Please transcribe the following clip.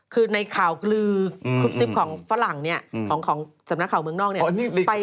คือในข่าวกลือคลิปซิปของฝรั่งเนี่ยของสำนักข่าวเมืองนอกเนี่ย